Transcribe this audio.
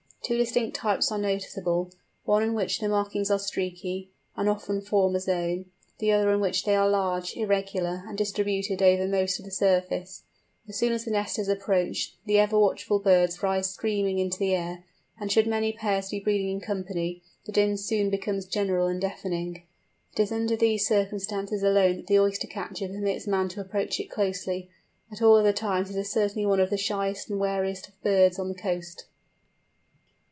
Two distinct types are noticeable: one in which the markings are streaky, and often form a zone; the other in which they are large, irregular, and distributed over most of the surface. As soon as the nest is approached the ever watchful birds rise screaming into the air, and should many pairs be breeding in company, the din soon becomes general and deafening. It is under these circumstances alone that the Oyster catcher permits man to approach it closely; at all other times it is certainly one of the shyest and wariest of birds on the coast.